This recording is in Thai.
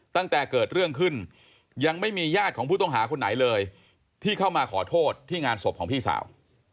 ตั้งแต่เกิดเรื่องขึ้นยังไม่มีญาติของผู้ต้องหาคนไหนเลยที่เข้ามาขอโทษที่งานศพของพี่สาว